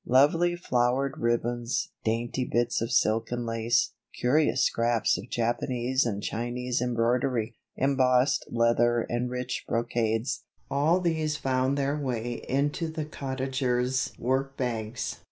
Lovely flowered ribbons, dainty bits of silk and lace, curious scraps of Japanese and Chinese embroidery, embossed leather and rich brocades, all these found their way into the Cottagers' work bags.